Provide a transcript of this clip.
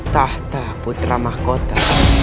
tahta putra mahkota